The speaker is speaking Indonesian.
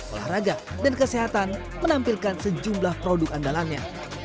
olahraga dan kesehatan menampilkan sejumlah produk andalannya